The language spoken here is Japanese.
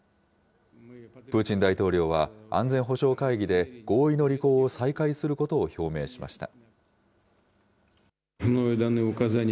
プーチン大統領は安全保障会議で合意の履行を再開することを表明しました。